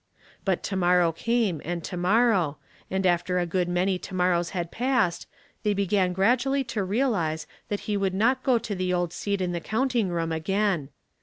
But to morrow came, and to morrow, and after a good many to morrows bad passed they began gradually to realize that A New Start. 865 he would not go to the old seat in the counting room again.